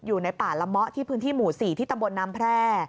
อยู่ในป่าละเมาะที่พื้นที่หมู่๔ที่ตำบลน้ำแพร่